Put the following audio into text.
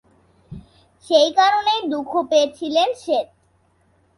সেই কারণেই দুঃখ পেয়েছিলেন সেত।